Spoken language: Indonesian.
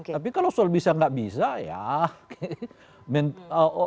tapi kalau soal bisa nggak bisa ya